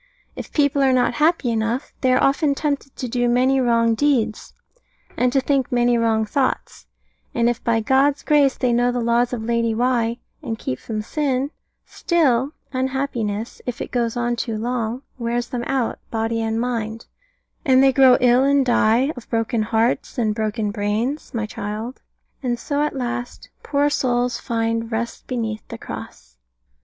If people are not happy enough, they are often tempted to do many wrong deeds, and to think many wrong thoughts: and if by God's grace they know the laws of Lady Why, and keep from sin, still unhappiness, if it goes on too long, wears them out, body and mind; and they grow ill and die, of broken hearts, and broken brains, my child; and so at last, poor souls, find "Rest beneath the Cross."